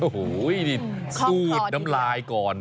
โอ้โหสูตรน้ำลายก่อน